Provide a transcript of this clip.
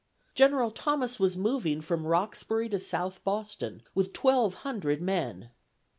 General Thomas was moving from Roxbury to South Boston with twelve hundred men.